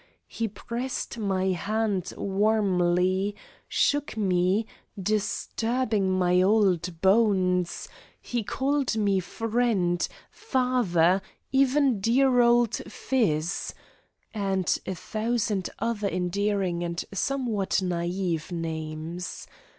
He pressed my hand warmly, shook me, disturbing my old bones; he called me friend, father, even "dear old phiz" (!) and a thousand other endearing and somewhat naive names.